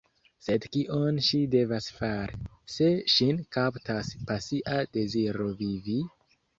Sed kion ŝi devas fari, se ŝin kaptas pasia deziro vivi?